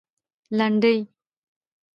لنډۍ